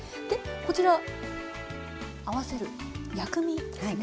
こちら合わせる薬味ですね。